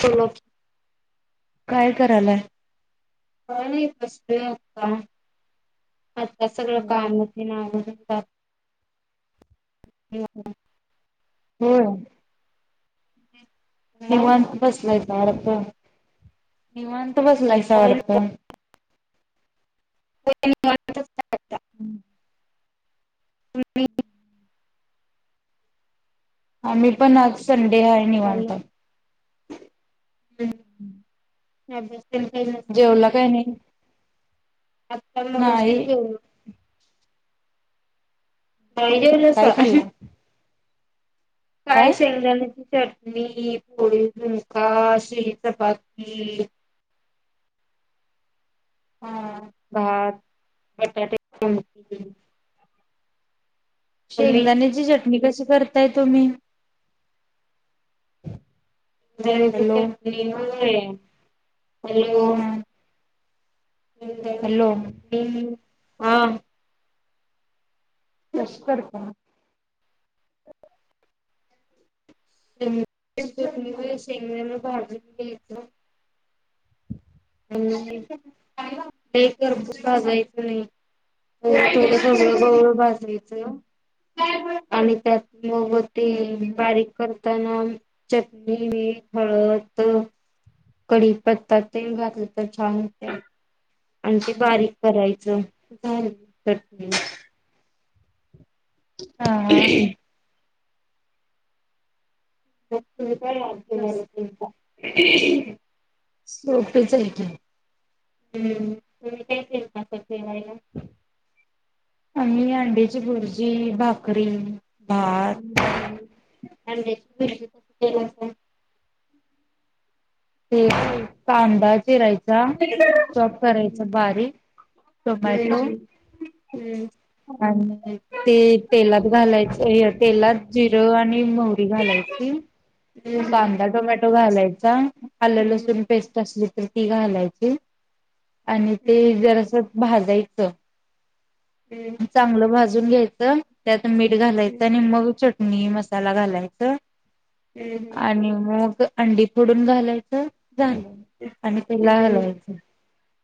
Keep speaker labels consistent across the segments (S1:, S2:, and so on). S1: सला [unintelligible]
S2: काय करालाय
S1: पाणीस् [unintelligible] का आता सगळं काम
S2: निवांत.
S1: आवून [unintelligible] जात
S2: होय निवांत बसलाय तर [unintelligible] निवांत [unintelligible] बसलायसा वाटतं हम् [unintelligible]
S1: ह [inaudible]
S2: आम्ही पण आज संडे हाय निवांत हम्म [unintelligible]
S1: ह ब [unintelligible]
S2: जेवला काय नाही
S1: आता मग
S2: नाही.
S1: अशीच हो [inaudible]
S2: काय
S1: नाहीजेवलासा
S2: खाल्ला?
S1: काय सेव झाले ते चटणी पोळी झुमका शिळी चपाती
S2: हा.
S1: भात बटाटे -
S2: शेंगदाण्याची चटणी कशी करताय तुम्ही?
S1: हॅलो [unintelligible]
S2: हा. हॅलो.
S1: हा
S2: प्रश करता
S1: पहिल शेंगदाण भाजून घ्यायच टेकर भुका जायच नाही त सगळं गवळ भाजायचं आणि त्यात - मग ती बारीक - करताना चटणी हळद त... कडी पत्ता तेल घातलं तर छान होत्या. आणि ते बारीक करायचं झाली चटणी
S2: ह हा....
S1: त का लाग तुचा [inaudible]
S2: सोपेच आहे की.
S1: हम्म म काय केलत जेवायला?
S2: ड्या ची भुर्जी, भाकरी भात
S1: हम्म. [unintelligible]
S2: [unintelligible] कांदा चिरायचा. चॉप करायचा
S1: हम्म.
S2: बारीक टोमॅटो
S1: तिला
S2: [unintelligible] आणि ते तेलात घालायचं तेलात जिरं आणि मोहरी घालायचं. ची कांदा, टोमॅटो घालायचा. आलं, लसूण पेस्ट असली तर ती घालायची आणि ते जरस क भाजायचं. चांगलं भाजून घ्यायचं त्यात मीठ घालायचं आणि मग चटणी चटणी, मसाला घालायचं. आणि मग अंडी फोडून घालायचं. झालं आणि त्याला हलवायचं.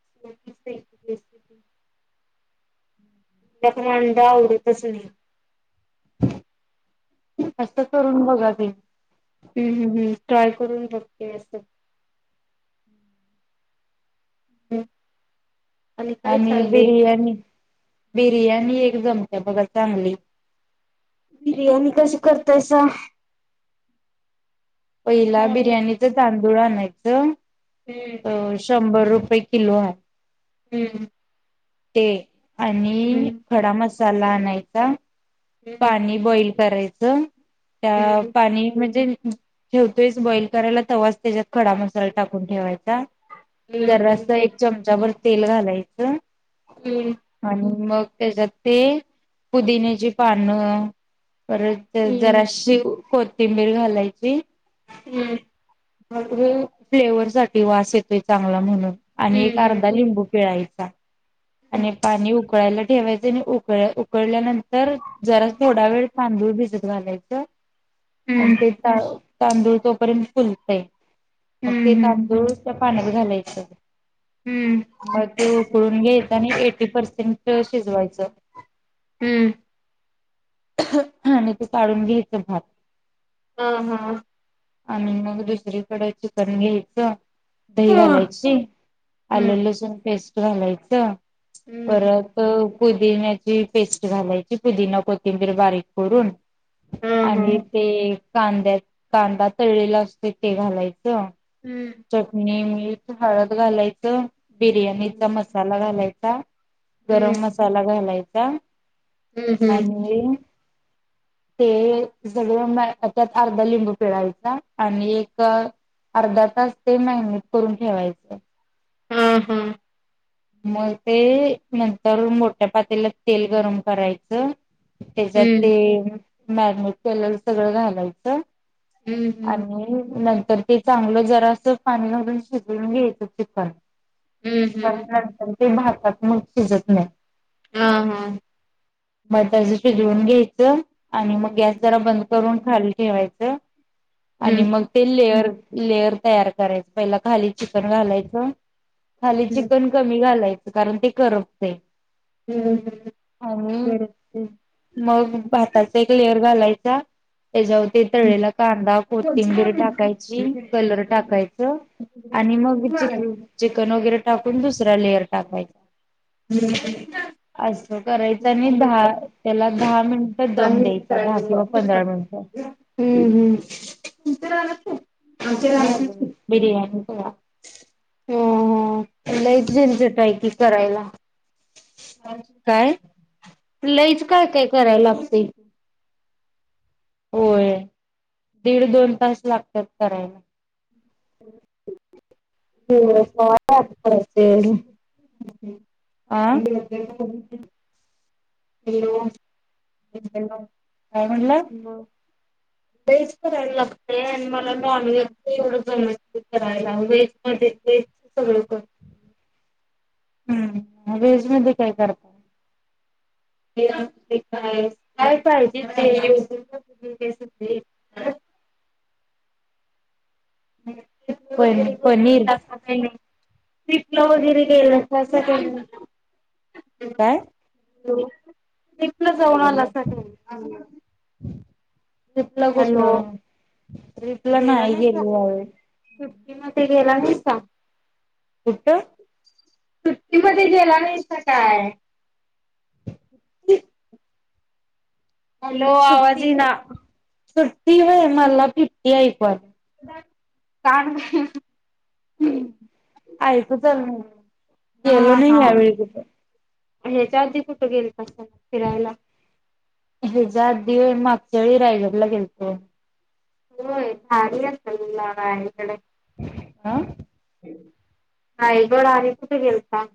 S1: [unintelligible] त्यात म आंड आवडतच नाही.
S2: अस करून बघा ते.
S1: हम्म हम्म हम्म ट्राय करून बघते अस. ह्म्म.
S2: आणि बिर्याणी बिर्याणी एक जमते बघा चांगली.
S1: बिर्याणी कशी करतायसा?
S2: पहिला
S1: नॉनव्हेज.
S2: बिर्याणीचं तांदूळ आणायचं
S1: हम्म.
S2: अ शंभर रुपये किलो हा
S1: हम्म.
S2: ते आणि
S1: हम्म,
S2: खडा मसाला आणायचा.
S1: हम्म,
S2: पाणी बॉईल करायचं त्यात
S1: हम्म,
S2: पाणी म्हणजे - ठेवतोय स बॉईल करायला तवाच त्याच्यात खडा मसाला टाकून ठेवायचा
S1: हम्म,
S2: जरासा एक चमचा भर तेल घालायचं
S1: हम्म,
S2: आणि मग त्याच्यात ते पुदिन्याची पानं परत
S1: हम्म,
S2: जराशी कोथिंबीर घालायची.
S1: हम्म.
S2: [inaudible] फ्लेवर साठी वास येतोय चांगला म्हणून आणि एक अर्धा लिंबू पिळाय चा आणि पाणी उक उकळायला ठेवायच आणि उकळ उकळल्यानंतर जरा थोडा वेळ तांदूळ भिजत घालायचं. आणि ते तांद तांदूळ तो पर्यन्त फुलतय. मग ते
S1: हम्म,
S2: तांदूळ त्या पाण्यात घालायच.
S1: हम्म, हम्म, हम्म,
S2: मग ते उकळून घ्यायच आणि एटी पर्सेंट शिजवायचं.
S1: हम्म.
S2: [unintelligible] आणि ते काढून घ्यायचं भात
S1: हम हम्.
S2: आणि मग दुसरीकडे चिकन घ्यायचं. दही
S1: हा.
S2: घालायची,
S1: हम्म,
S2: आलं, लसूण पेस्ट घालायच.
S1: हम्म, हम्म.
S2: परत पुद पुदिन्याची पेस्ट घालायची पुदिना, कोथिंबीर बारीक कुरून. आणि
S1: हम्म
S2: ते कांद्यात कांदा तळलेला असतोय ते घालायच.
S1: हम्म
S2: चटणी, मीठ, हळद घालायच, बिर्याणीचा मसाला घालायचा.
S1: हम्म
S2: गरम मसाला घालायचा
S1: हम्म हम्म
S2: आणि ते अ सगळं मळत्यात अर्धा लिंबू पिळायचा आणि एक अर्धा तास ते मॅरिनेट करून ठेवायचं.
S1: हम्म हम्म.
S2: मग ते अ नंतर मोठ्या पातेल्यात तेल गरम करायचं त्याच्यात
S1: हम्म
S2: तेअ मॅरिनेट केलल सगळं घालायचं
S1: हम्म
S2: आणि नंतर तर ते चागलं जरास पाणी घालुन शिजवून घ्यायचं चिकन
S1: हम्म
S2: पण
S1: हम्म.
S2: नंतर ते भातात मग शिजत नई
S1: हा, हा, हा.
S2: मग तेच शिजवून घ्यायचं आणि मग गॅस जरा बंद करून खाली ठेवायचं. आणि
S1: हम्म
S2: मग ते लेअर लेयर तयार करायच पहिला खाली चिकन घालायचं खाली
S1: हम्म
S2: चिकन कमी घालायचं कारण ते करपतय
S1: हम्म
S2: आणि
S1: बरोबर
S2: मग भाताच एक लेअर घालाय चा [unintelligible] त्याच्यावरती
S1: हम्म.
S2: तळेला कांदा
S1: कोणचं काय
S2: कोथिंबीर
S1: माहिती?
S2: टाकायची कलर टाकायचं आणि मग चिकन चिकन वगैरे टाकून दुसरा लेअर टाकायचा.
S1: हम्म [inaudible] [inaudible]
S2: असं करायचं
S1: [inaudible] [inaudible]
S2: आणि दहा त्याला दहा मिनिटं दम द्यायचा दहा किंवा पंधरा मिनिटं.
S1: हम्म हम्म तुमच्या रानात काये?
S2: मग बिर्याणी
S1: हो हो लइच झणझट करायला
S2: काय?
S1: लईच काय काय कराय लागतयं
S2: होय दीड दोन तास लागतात करायला
S1: [inaudible] [inaudible] [inaudible] [inaudible] [inaudible] हॅलो.
S2: आ. हॅलो काय म्हनलात? ह [inaudible]
S1: वेज करायला लागतय आणि मला नॉन व्हेजच एवढं जमत नाइ करायला वेज मध्ये ते सगळं
S2: हम्म मग व्हेज मधे काय करता?
S1: य काय पाहिजे ते युटुबच बघुन करतोय
S2: [inaudible]
S1: [inaudible]
S2: प पनीर
S1: पिटला वगैरे केल तर
S2: काय?
S1: एकलं जाऊन
S2: हॅलो
S1: आलासा का?
S2: ट्रीपला कुठ
S1: हॅलो
S2: ट्रीपला नाही गेली ह्यावेळी.
S1: मी म ते गेला नाहीस का?
S2: कुठ?
S1: सुट्टीमध्ये गेला नाहीसत काय?
S2: ते [unintelligible]
S1: हॅलो आवाज
S2: सुट्टी
S1: ये ना.
S2: सुट्टी व मला फिफ्टी आहे पण
S1: कानग
S2: हम्म आयते जमेना गेलो नाही यावेळी कुठ.
S1: हेच अर्धी कुठे गेले अससताना फिरायला?
S2: हच्या आधी मागच्यावेळी रायगडला गेलतोय.
S1: होय भारी [unintelligible] अलीकडे
S2: आ
S1: रायगड आणि कुठ गेलता.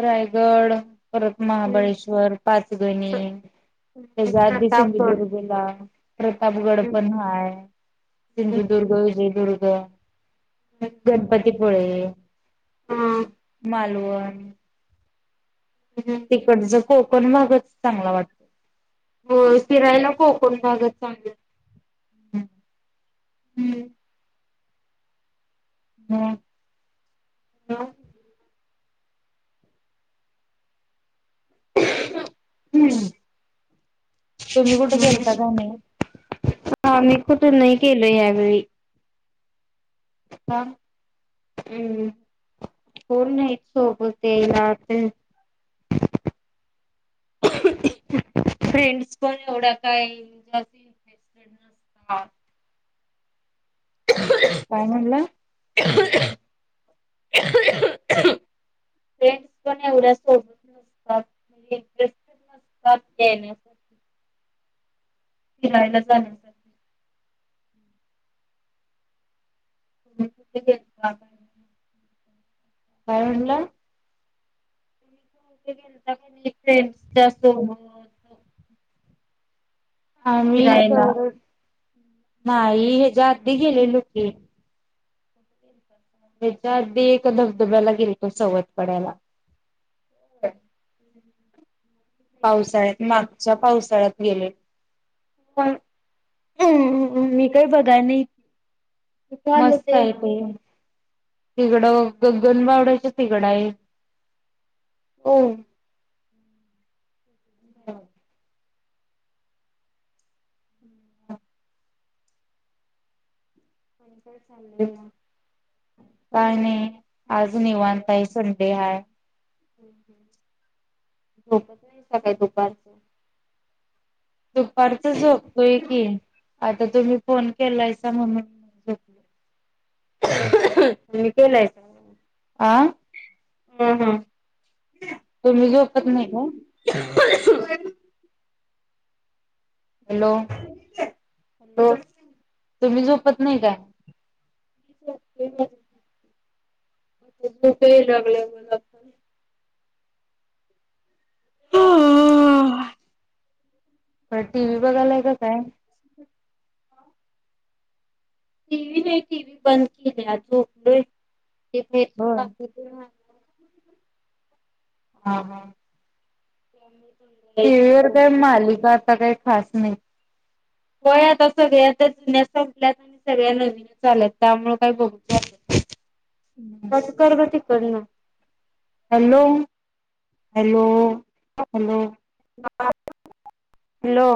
S2: रायगड परत महाबळेश्वर, पाचगणी त्याच्या आधी
S1: प्रतापगड.
S2: सिंधुदुर्गला प्रतापगड पण हाय. सिंधुदुर्ग, विजयदुर्ग, गणपतीपुळे
S1: हा
S2: मालवण तिकडच कोकण भागचं चांगला वाटतो.
S1: हो फिरायला कोकण भागचं चांगलं हम्म
S2: हा
S1: [unintelligible] हम्म
S2: तुम्ही कुठ गेलता का नाई.
S1: आम्ही कुठ नाय गेलो यावेेळी
S2: का
S1: हम्म कोणं नाही सोबत यायला आत
S2: [inaudible]
S1: [inaudible] फ्रेंड्स पण एवढ्या काय जास्ती इंटरेस्टेड नसतात.
S2: काय म्हंटला
S1: [inaudible] फ्रेंड्स पण एवढ्या सोबत नसतात म्हणजे इंटरेस्टेड न [unintelligible] फिरायला जाण्यासाठी [inaudible]
S2: काय म्हणला?
S1: [unintelligible] फ्रेंडच्या सोबत
S2: आम्ही
S1: फिरायला?
S2: [unintelligible] नाही हयाच्या आधी गेलेलो की ह्याच्या आधी एक धबधब्याला गेलतो सवत पाड्याला. पावसाळ्यात मागच्या पावसाळ्यात गेले
S1: पण मी काय बघाय नाही. कुठं आलं
S2: मस्त आहे ते. तिकडं गग्गनबावड्याच्या तिकडं हाय.
S1: अ
S2: [inaudible]
S1: आणि काय चाललय म
S2: काय नाय, आज निवांत आहे, आज संडे हाय.
S1: झोपत नाहीसा का दुपारचं
S2: दुपारच झोपतोय की, आता तुम्ही फोन केलायसा म्हणून झोप
S1: कमी केल्यासा हो
S2: आं
S1: हां हा
S2: तुम्ही झोपत नाही काय?
S1: [unintelligible]
S2: हॅलो
S1: हॅलो
S2: तुम्ही झोपत नाही काय?
S1: झोपतोय आता झोप याय लागलय मलापण
S2: प टीव्ही बघालाय का काय?
S1: टीव्ही नाही टीव्ही बंद किल्या झोपलाय [unintelligible] ते बाहेरच्या
S2: होय
S1: काकूच
S2: हा हा.
S1: त्या मीर [inaudible]
S2: टीव्ही वर काय मालिका आता काय खास नाहीत.
S1: व्हय आता सगळ्या त्या जुन्या संपल्यात आणि सगळ्या नवीनच आल्यात त्यामुळं काय बघूच वाटत नाहीत.
S2: [inaudible]
S1: कसं कर ग तिकडन.
S2: Hello hello hello.
S1: हॅलो.